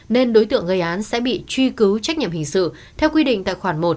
nên đối tượng gây án sẽ bị truy cứu trách nhiệm hình sự theo quy định tại khoản một